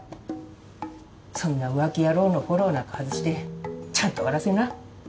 そんな浮気野郎のフォローなんか外してちゃんと終わらせな！